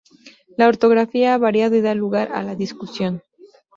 La ortografía ha variado y da lugar a la discusión.